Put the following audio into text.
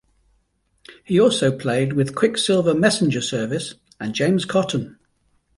He also played with Quicksilver Messenger Service and James Cotton.